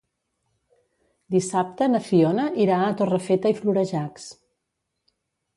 Dissabte na Fiona irà a Torrefeta i Florejacs.